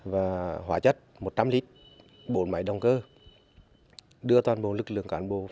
và hóa chất một trăm linh lit bốn máy động cơ